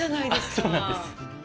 そうなんです。